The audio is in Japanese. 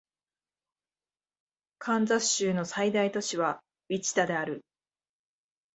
カンザス州の最大都市はウィチタである